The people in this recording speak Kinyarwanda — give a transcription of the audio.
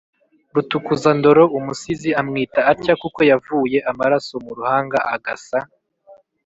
Rutukuzandoro: umusizi amwita atya kuko yavuye amaraso mu ruhanga agasa